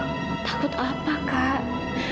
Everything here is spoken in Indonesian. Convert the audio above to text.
takut apa kak